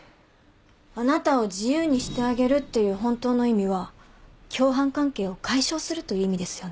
「あなたを自由にしてあげる」っていう本当の意味は共犯関係を解消するという意味ですよね。